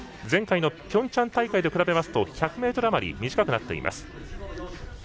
前回のピョンチャン大会と比べますと１００ｍあまり短くなっています。